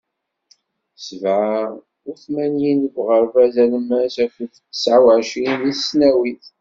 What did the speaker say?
Sebεa u tmanyin deg uɣerbaz alemmas akked tesεa u εecrin deg tesnawit.